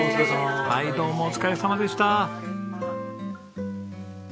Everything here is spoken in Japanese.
はいどうもお疲れさまでした。